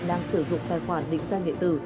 đang sử dụng tài khoản định danh điện tử